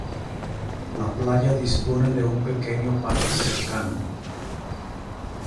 La playa dispone de un pequeño parque cercano.